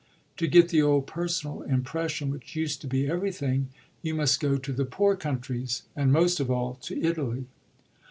To get the old personal impression, which used to be everything, you must go to the poor countries, and most of all to Italy."